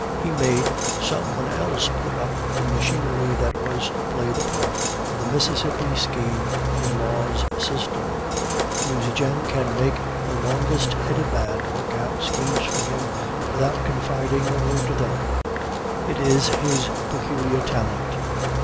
He made some one else put up the machinery that was to play the part of the Mississippi scheme in Law's system. Nucingen can make the longest headed men work out schemes for him without confiding a word to them; it is his peculiar talent.